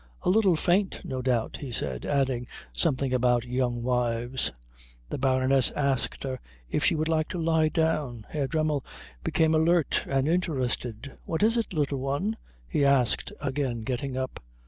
"A little faint, no doubt," he said, adding something about young wives. The Baroness asked her if she would like to lie down. Herr Dremmel became alert and interested. "What is it, Little One?" he asked again, getting up.